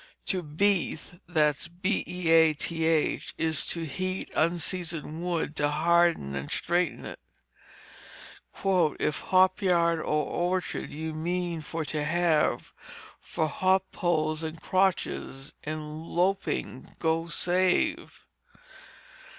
To beath is to heat unseasoned wood to harden and straighten it. "If hop yard or orchard ye mean for to have, For hop poles and crotches in lopping go save.